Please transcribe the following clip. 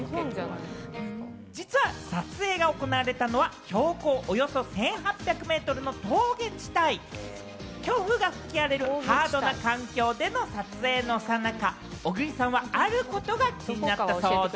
実は撮影が行われたのは標高およそ１８００ｍの峠地帯、強風が吹き荒れるハードな環境での撮影のさなか、小栗さんはあることが気になったそうで。